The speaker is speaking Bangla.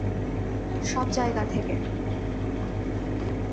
সব জায়গা থেকে।